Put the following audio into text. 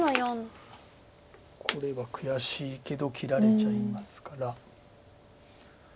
これは悔しいけど切られちゃいますから。